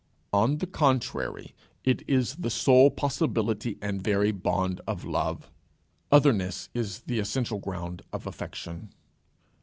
On the contrary, it is the sole possibility and very bond of love. Otherness is the essential ground of affection.